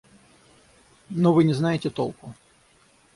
Но вы не знаете толку.